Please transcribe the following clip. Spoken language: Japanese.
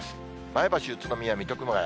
前橋、宇都宮、水戸、熊谷。